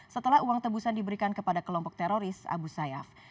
setelah uang tebusan diberikan kepada kelompok teroris abu sayyaf